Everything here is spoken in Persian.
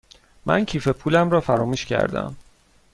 من کیف پولم را فراموش کرده ام.